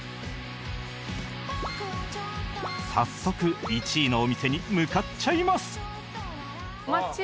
早速１位のお店に向かっちゃいます